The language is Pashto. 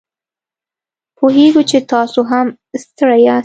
پوهیږو چې تاسو هم ستړي یاست